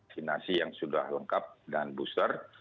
sinasi yang sudah lengkap dan booster